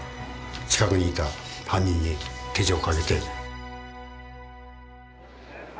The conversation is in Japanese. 近くにいた犯人に手錠をかけて。